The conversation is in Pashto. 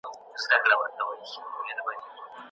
سرلوړي یوازي په یوه او مقتدر هدف کي ده.